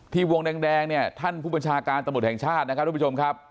วงแดงเนี่ยท่านผู้บัญชาการตำรวจแห่งชาตินะครับทุกผู้ชมครับ